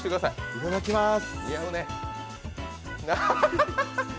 いただきます。